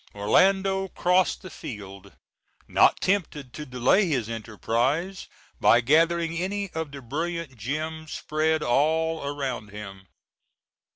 Orlando crossed the field, not tempted to delay his enterprise by gathering any of the brilliant gems spread all around him.